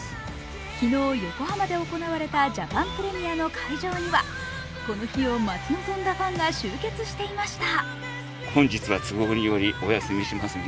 昨日、横浜で行われたジャパンプレミアの会場にはこの日を待ち望んだファンが集結しました。